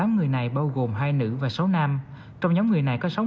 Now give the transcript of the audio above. tám người này bao gồm hai nữ và sáu nam